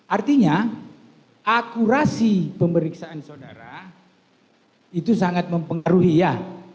artinya akurasi pemeriksaan saudara itu sangat mempengaruhi ya